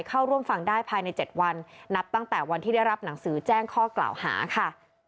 เข้าร่วมฟังได้ภายใน๗วันนับตั้งแต่วันที่ได้รับหนังสือแจ้งข้อกล่าวหาค่ะ